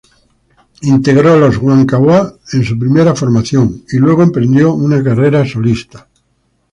Integró Los Huanca Hua en su primera formación y luego emprendió una carrera solista.